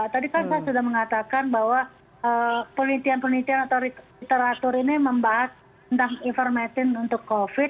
tadi kan saya sudah mengatakan bahwa penelitian penelitian atau literatur ini membahas tentang ivermectin untuk covid